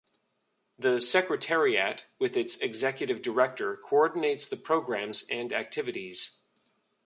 The Secretariat, with its Executive Director coordinates the programs and activities.